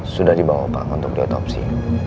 sudah dibawa pak untuk diotopsi